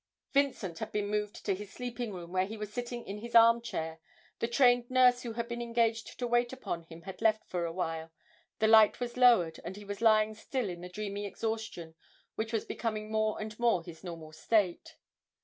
Vincent had been moved to his sleeping room, where he was sitting in his arm chair; the trained nurse who had been engaged to wait upon him had left him for a while, the light was lowered, and he was lying still in the dreamy exhaustion which was becoming more and more his normal state.